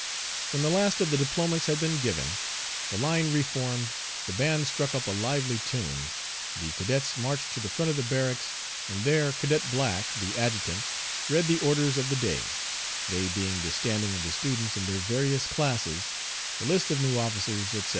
When the last of the diplomas had been given, the line reformed, the band struck up a lively tune, the cadets marched to the front of the barracks, and there Cadet Black, the Adjutant, read the orders of the day, they being the standing of the students in their various classes, the list of new officers, etc.